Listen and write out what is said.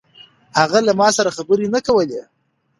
هغه له ما سره خبرې نه کولې.